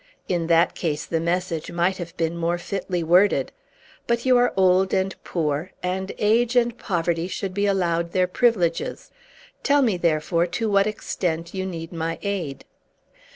In that case, the message might have been more fitly worded. But you are old and poor, and age and poverty should be allowed their privileges. Tell me, therefore, to what extent you need my aid."